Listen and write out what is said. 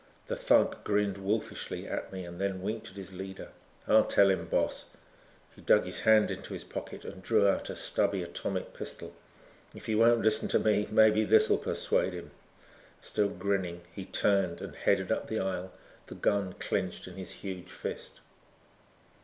The thug grinned wolfishly at me and then winked at his leader. "I'll tell him, boss." He dug his hand into his pocket and drew out a stubby atomic pistol. "If he won't listen to me maybe this'll persuade him." Still grinning he turned and headed up the aisle, the gun clenched in his huge fist.